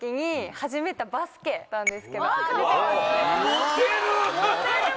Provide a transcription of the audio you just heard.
モテる！